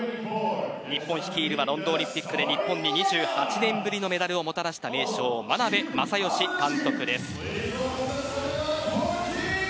日本率いるはロンドンオリンピックで日本に２８年ぶりのメダルをもたらした名将眞鍋政義監督です。